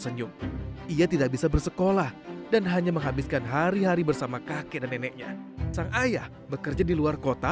dan juga di rumah panggung di jakarta timur